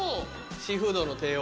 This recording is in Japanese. シーフードの帝王。